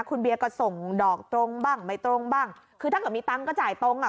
คุณเบียร์ก็ส่งดอกตรงบ้างไม่ตรงบ้างคือถ้าเกิดมีตังค์ก็จ่ายตรงอ่ะ